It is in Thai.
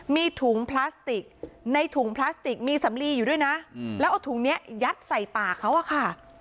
มีถุงพลาสติกในถุงพลาสติกมีสำลีอยู่ด้วยนะแล้วเอาถุงนี้ยัดใส่ปากเขาอะค่ะ